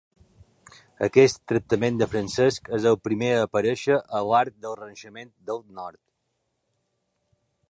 Aquest tractament de Francesc és el primer a aparèixer a l'art del renaixement del nord.